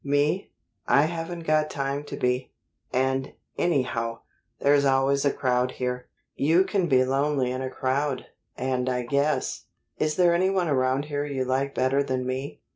"Me? I haven't got time to be. And, anyhow, there's always a crowd here." "You can be lonely in a crowd, and I guess is there any one around here you like better than me?"